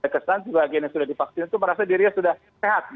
kesan sebagian yang sudah divaksin itu merasa dirinya sudah sehat